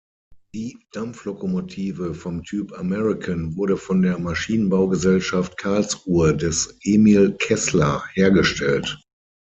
Die Dampflokomotive vom Typ American wurde von der Maschinenbau-Gesellschaft Karlsruhe des Emil Keßler hergestellt.